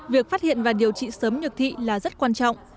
việc phát hiện và điều trị sớm nhược thị là rất quan trọng